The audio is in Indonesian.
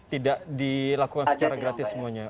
tidak dilakukan secara gratis semuanya